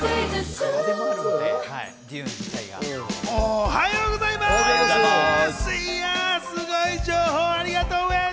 おはようございます。